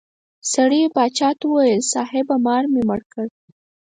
سړي باچا ته وویل صاحبه مار مې مړ کړ.